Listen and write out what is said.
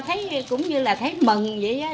thấy cũng như là thấy mừng vậy đó